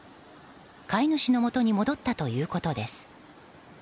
飼い主のもとに戻ったということです。